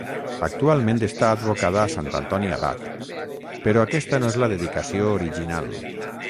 Actualment està advocada a sant Antoni Abat, però aquesta no és la dedicació original.